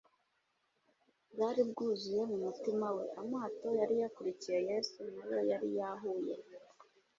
bwari bwuzuye mu mutima we. Amato yari yakurikiye Yesu na yo yari yahuye